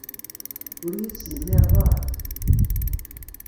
Ur iyi-tesnemmireḍ ara?